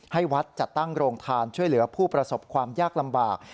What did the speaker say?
ให้วัดจัดตั้งโรงทานช่วยเหลือผู้ประสบความยากลำบาก